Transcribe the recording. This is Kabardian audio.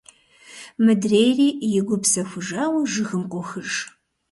Мыдрейри, и гур псэхужауэ, жыгым къохыж…